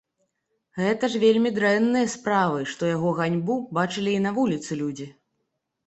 Гэта ж вельмі дрэнныя справы, што яго ганьбу бачылі і на вуліцы людзі.